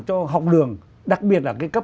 cho học đường đặc biệt là cái cấp